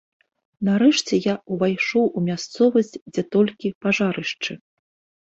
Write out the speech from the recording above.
Нарэшце я ўвайшоў у мясцовасць, дзе толькі пажарышчы.